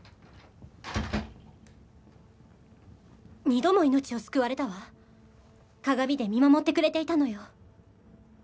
二度も命を救われたわ鏡で見守ってくれていたのよ